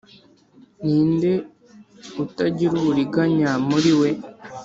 ninde utagira uburiganya muri we